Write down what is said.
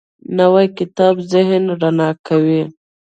نوی کتاب ذهن رڼا کوي